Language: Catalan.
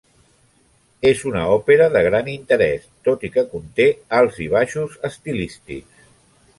És una òpera de gran interès, tot i que conté alts i baixos estilístics.